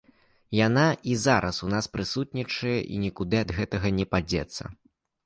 Яна і зараз у нас прысутнічае, нікуды ад гэтага не падзецца.